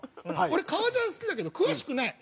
俺革ジャン好きだけど詳しくない。